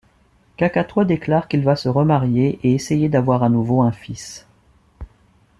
Cacatois déclare qu'il va se remarier et essayer d'avoir à nouveau un fils.